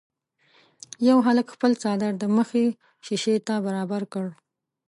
یوه هلک خپل څادر د مخې شيشې ته برابر کړ.